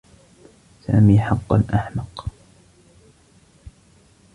سامي حقّا أحمق.